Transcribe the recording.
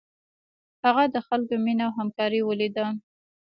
هغه د خلکو مینه او همکاري ولیده.